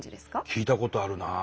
聞いたことあるなあ。